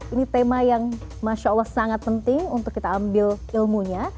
ini tema yang masya allah sangat penting untuk kita ambil ilmunya